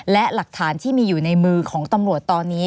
และหลักฐานที่มีอยู่ในมือของตำรวจตอนนี้